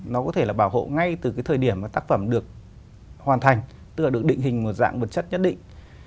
nó có thể là bảo hộ ngay từ cái thời điểm mà tác phẩm được hoàn thành tức là được định hình một dạng vật chất nhất định